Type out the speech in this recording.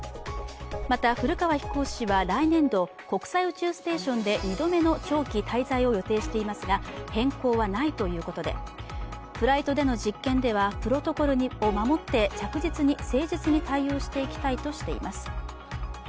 また、古川飛行士は来年度、国債宇宙ステーションで２度目の長期滞在を予定していますが、変更はないということでフライトでの実験ではプロトコルを守って着実に誠実に対応していきたいとしています。